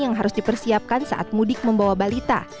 yang harus dipersiapkan saat mudik membawa balita